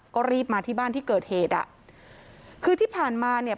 ก็รีบมาที่บ้านที่เกิดเหตุอ่ะคือที่ผ่านมาเนี่ย